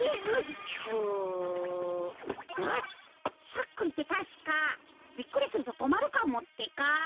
しゃっくりってたしかびっくりするととまるかもってか。